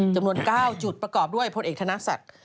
จำนวน๙จุดประกอบด้วยพลเอกธนศักดิ์